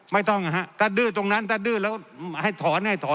ไม่ต้องท่านดื้อตรงนั้นท่านดื้อแล้วให้ถอนให้ถอน